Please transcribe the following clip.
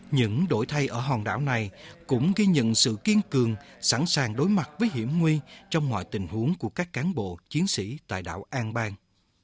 những đổi thay ở hòn đảo này cũng ghi nhận sự kiên cường sẵn sàng đối mặt với hiểm nguy trong mọi tình huống của các cán bộ chiến sĩ tại đảo an bang